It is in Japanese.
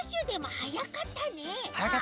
はやかったね。